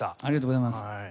ありがとうございます。